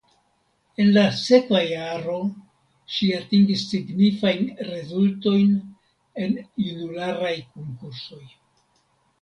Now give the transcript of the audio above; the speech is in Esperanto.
En la sekva jaro ŝi atingis signifajn rezultojn en junularaj konkursoj.